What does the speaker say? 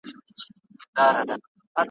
خره په خیال کی د شنېلیو نندارې کړې ,